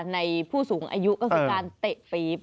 ผู้สูงอายุก็คือการเตะปีบ